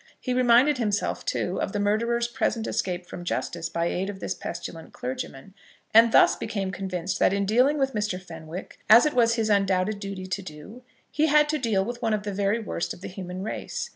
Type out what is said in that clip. He reminded himself, too, of the murderer's present escape from justice by aid of this pestilent clergyman; and thus became convinced that in dealing with Mr. Fenwick, as it was his undoubted duty to do, he had to deal with one of the very worst of the human race.